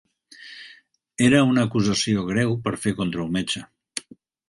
Era una acusació greu per fer contra un metge.